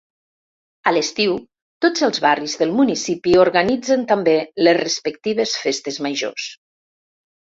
A l'estiu tots els barris del municipi organitzen també les respectives festes majors.